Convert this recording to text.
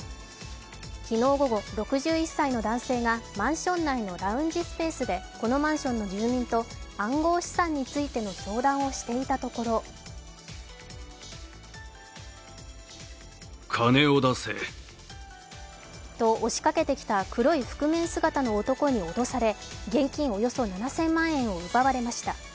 昨日午後、６１歳の男性がマンション内のラウンジスペースでこのマンションの住民と暗号資産についての相談をしていたところと押しかけてきた黒い覆面姿の男に脅され、現金およそ７０００万円を奪われました。